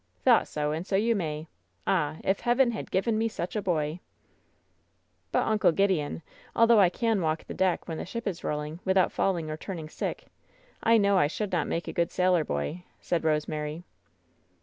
"Thought sol And so you may. Ah! if Heaven had given me such a boy !" "But, Uncle Gideon, although I can walk the deck 54 WHEN SHADOWS DIE when the ship is rolling, without falling or turning sick, I know I should not make a good sailor boy," said Kose mary.